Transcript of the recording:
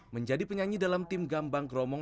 menjadi penyanyi dalam tim gambang kromong